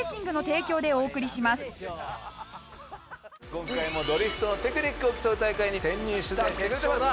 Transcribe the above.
今回もドリフトのテクニックを競う大会に潜入取材しているそうです。